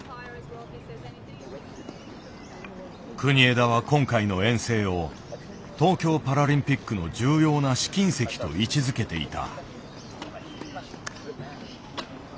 国枝は今回の遠征を東京パラリンピックの重要な試金石と位置づけていた。